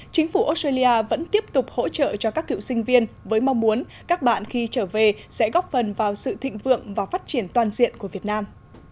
chính phủ australia vẫn tiếp tục hỗ trợ cho các cựu sinh viên với mong muốn các bạn khi trở về sẽ góp phần vào sự thịnh vượng và phát triển toàn diện của việt nam